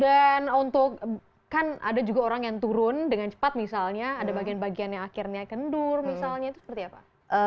dan untuk kan ada juga orang yang turun dengan cepat misalnya ada bagian bagian yang akhirnya kendur misalnya itu seperti apa